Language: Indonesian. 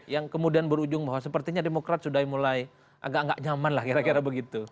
yang kemudian berujung bahwa sepertinya demokrat sudah mulai agak agak nyaman lah kira kira begitu